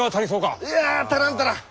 いや足らん足らん。